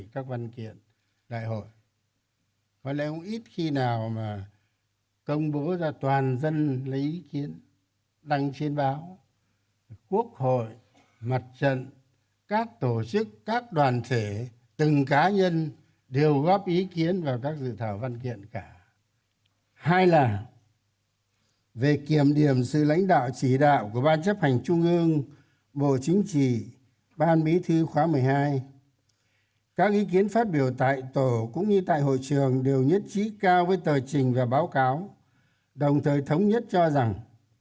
các văn kiện trình đại hội một mươi ba lần này không chỉ kiểm điểm việc thực hiện nghị quyết đại hội một mươi hai của đảng